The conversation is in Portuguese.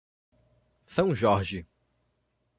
São Jorge